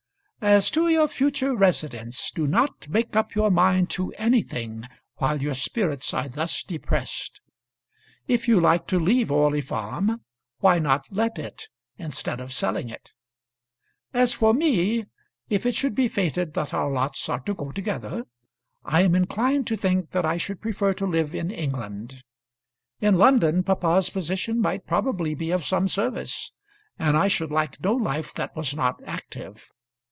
As to your future residence, do not make up your mind to anything while your spirits are thus depressed. If you like to leave Orley Farm, why not let it instead of selling it? As for me, if it should be fated that our lots are to go together, I am inclined to think that I should prefer to live in England. In London papa's position might probably be of some service, and I should like no life that was not active.